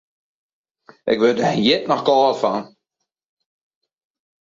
Ik wurd der hjit noch kâld fan.